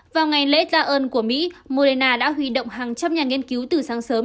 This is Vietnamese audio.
vào ngày lễ ra ơn của mỹ moderna đã huy động hàng trăm nhà nghiên cứu từ sáng sớm